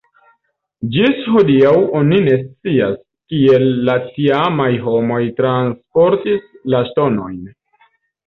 Ĝis hodiaŭ oni ne scias, kiel la tiamaj homoj transportis la ŝtonojn.